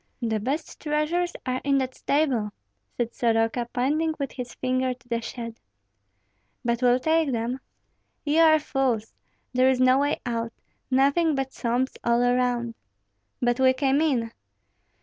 "The best treasures are in that stable," said Soroka, pointing with his finger to the shed. "But we'll take them?" "Ye are fools! there is no way out, nothing but swamps all around." "But we came in."